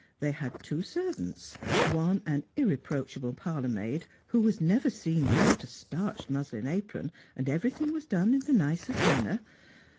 They had two servants, one an irreproachable parlour maid, who was never seen without a starched muslin apron, and everything was done in the nicest manner.